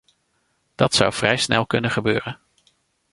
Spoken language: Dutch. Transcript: Dat zou vrij snel kunnen gebeuren.